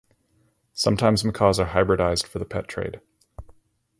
Sometimes macaws are hybridized for the pet trade.